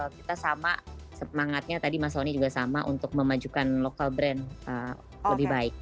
kita sama semangatnya tadi mas soni juga sama untuk memajukan lokal brand lebih baik